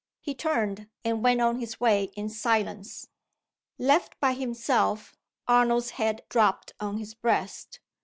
He turned, and went on his way in silence. Left by himself, Arnold's head dropped on his breast.